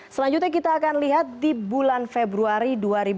selanjutnya kita akan lihat di bulan februari dua ribu dua puluh